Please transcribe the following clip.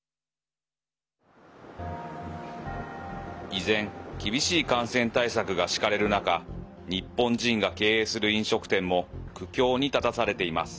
依然、厳しい感染対策が敷かれる中日本人が経営する飲食店も苦境に立たされています。